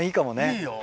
いいよ。